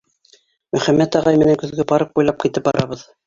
Мөхәммәт ағай менән көҙгө парк буйлап китеп барабыҙ.